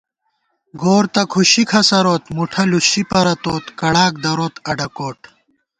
گور تہ کھُشی کھسَروت، مُٹھہ لُشی پرَتوت، کڑاک دروت اڈہ کوٹ